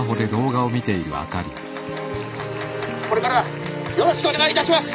「これからよろしくお願いいたします！」。